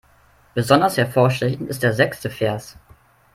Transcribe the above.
Besonders hervorstechend ist der sechste Vers.